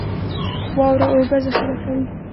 واوره اوبه ذخیره کوي